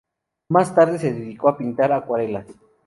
Más tarde se dedicó a pintar acuarelas.